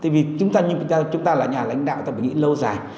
vì chúng ta là nhà lãnh đạo ta phải nghĩ lâu dài